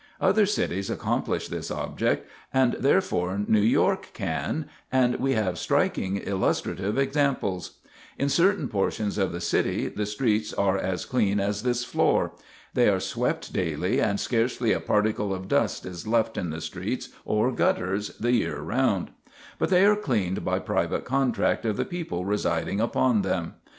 Other cities accomplish this object, and therefore New York can, and we have striking illustrative examples. In certain portions of the city the streets are as clean as this floor. They are swept daily, and scarcely a particle of dust is left in the streets or gutters the year round. But they are cleaned by private contract of the people residing upon them.